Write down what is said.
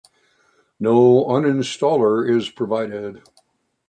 No uninstaller is provided.